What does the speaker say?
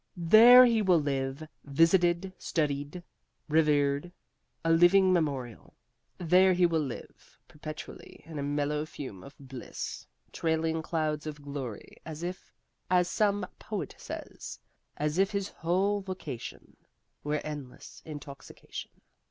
There he will live, visited, studied, revered, a living memorial. There he will live, perpetually in a mellow fume of bliss, trailing clouds of glory, as if as some poet says, As if his whole vocation Were endless intoxication.